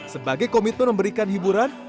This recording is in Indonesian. sebagai komitmen memberikan hiburan